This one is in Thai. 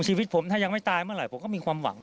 ชีวิตผมถ้ายังไม่ตายเมื่อไหร่ผมก็มีความหวัง